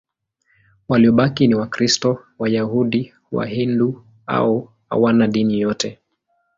Waliobaki ni Wakristo, Wayahudi, Wahindu au hawana dini yote.